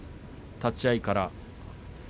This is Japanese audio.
立ち合いから。